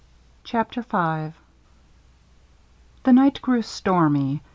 CHAPTER V The night grew stormy.